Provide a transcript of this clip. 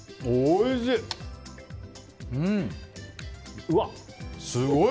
おいしい。